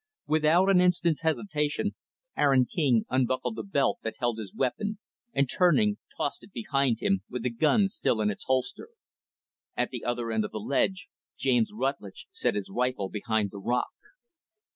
Without an instant's hesitation, Aaron King unbuckled the belt that held his weapon and, turning, tossed it behind him, with the gun still in its holster. At the other end of the ledge, James Rutlidge set his rifle behind the rock.